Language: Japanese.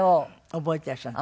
覚えてらっしゃるの？